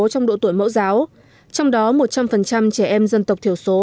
trong độ tuổi mẫu giáo trong đó một trăm linh trẻ em dân tộc thiểu số